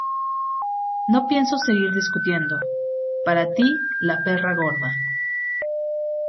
No pienso seguir discutiendo. Para ti la perra gorda